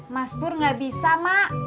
mas pur gak bisa mak